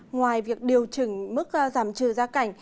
ngoài việc điều chỉnh mức giảm trừ gia cảnh